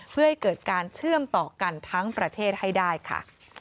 เพื่อให้เกิดการเชื่อมต่อกันทั้งประเทศให้ได้ค่ะ